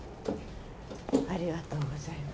ありがとうございます。